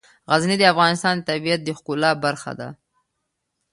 غزني د افغانستان د طبیعت د ښکلا برخه ده.